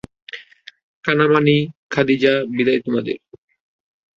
কানমাণি, খাদিজা, বিদায় তোমাদের।